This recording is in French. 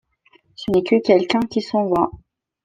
Ce n’est que quelqu’un qui s’en va ;